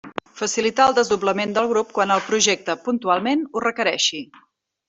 Facilitar el desdoblament del grup quan el projecte, puntualment, ho requereixi.